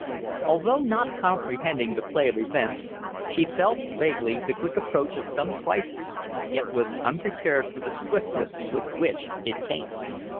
Although not comprehending the play of events, she felt vaguely the quick approach of some crisis, yet was unprepared for the swiftness with which it came.